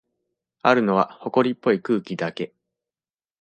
あるのは、ほこりっぽい空気だけ。